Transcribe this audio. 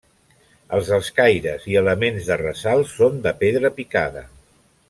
Els escaires i elements de ressalt són de pedra picada.